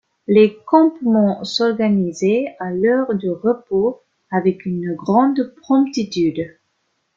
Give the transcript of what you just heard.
Les campements s’organisaient, à l’heure du repos, avec une grande promptitude.